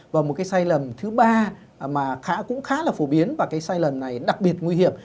và một cái sai lầm thứ ba mà cũng khá là phổ biến và cái sai lầm này đặc biệt nguy hiểm